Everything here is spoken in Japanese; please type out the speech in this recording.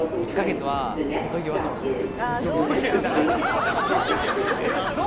１ヶ月は瀬戸際かもしれない。